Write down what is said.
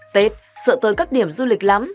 tết sợ tới các điểm du lịch lắm